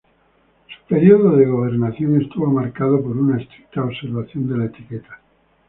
Su periodo de gobernación estuvo marcado por una estricta observación de la etiqueta.